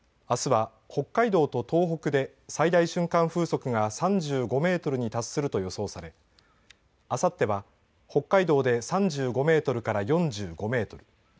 あすは北海道と東北で最大瞬間風速が３５メートルに達すると予想されあさっては北海道で３５メートルから４５メートル